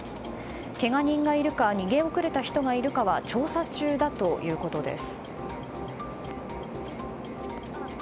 けが人がいるか逃げ遅れた人がいるかは調査中だということです。